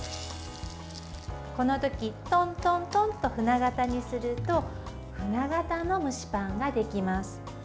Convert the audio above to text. この時トントントンと舟形にすると舟形の蒸しパンができます。